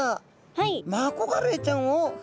はい。